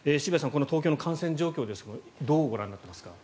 この東京の感染状況ですがどうご覧になっていますか？